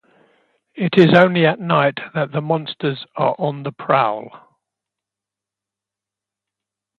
It is only at night that the monsters are on the prowl.